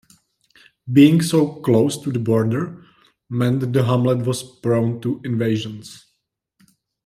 Being so close to the border meant the hamlet was prone to invasions.